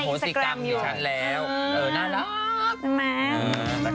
กรี๊สในอินส์ติกรัมอยู่